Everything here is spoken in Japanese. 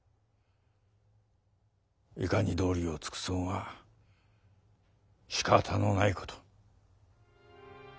いかに道理を尽くそうがしかたのないこと。